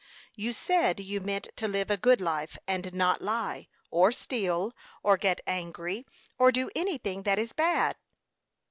You said you meant to live a good life, and not lie, or steal, or get angry, or do anything that is bad."